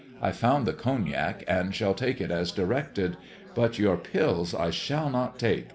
I found the Cognac, and shall take it as directed. But your pills I shall not take.